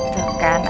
dekat akhirnya telfon